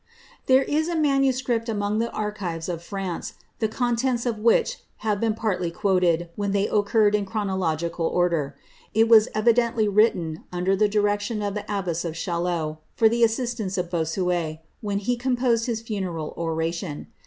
There is a manuscript* among the archives of France, the contents of "which have been partly quoted, when they occurred in chronological order. It was evidently written under the direction of the abbess of Chaillot, for the assistance of Bossuet, when he composed his funeral ora tion.